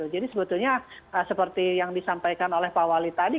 jadi sebetulnya seperti yang disampaikan oleh pak wali tadi